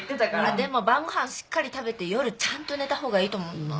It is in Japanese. でも晩ご飯しっかり食べて夜ちゃんと寝た方がいいと思うな。